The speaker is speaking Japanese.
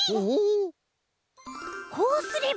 こうすれば。